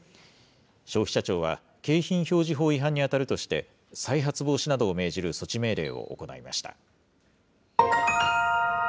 消費者庁は、景品表示法違反に当たるとして、再発防止などを命じる措置命令を行いました。